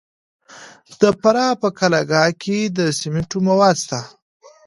د فراه په قلعه کاه کې د سمنټو مواد شته.